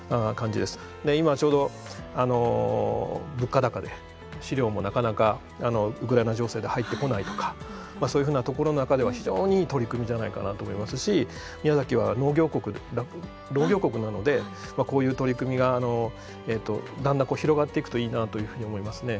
今ちょうど物価高で飼料もなかなかウクライナ情勢で入ってこないとかそういうふうなところの中では非常にいい取り組みじゃないかなと思いますし宮崎は農業国なのでこういう取り組みがだんだん広がっていくといいなというふうに思いますね。